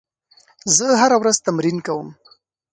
زه هره ورځ تمرین کوم.